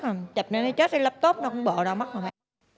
chạp này nó chết rồi laptop nó cũng bỡ đâu mất rồi